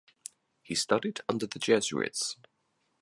He studied under the Jesuits.